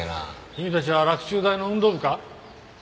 君たちは洛中大の運動部か？